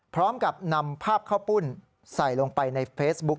พร้อมกับนำภาพข้าวปุ้นใส่ลงไปในเฟซบุ๊ค